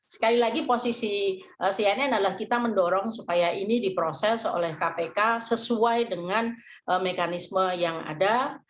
sekali lagi posisi cnn adalah kita mendorong supaya ini diproses oleh kpk sesuai dengan mekanisme yang ada